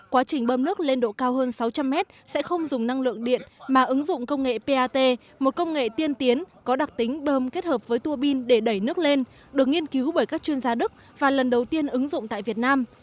quá trình bơm nước lên độ cao hơn sáu trăm linh mét sẽ không dùng năng lượng điện mà ứng dụng công nghệ pat một công nghệ tiên tiến có đặc tính bơm kết hợp với tua pin để đẩy nước lên được nghiên cứu bởi các chuyên gia đức và lần đầu tiên ứng dụng tại việt nam